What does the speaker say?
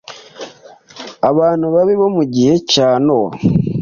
Abantu babi bo mu gihe cya Nowa